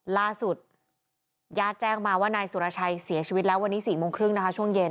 ล่าสุดญาติแจ้งมาว่านายสุรชัยเสียชีวิตแล้ววันนี้๔โมงครึ่งนะคะช่วงเย็น